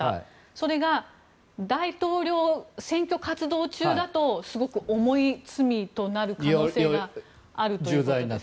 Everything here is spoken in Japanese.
それが、大統領選挙活動中だとすごく重い罪となる可能性があるということですね。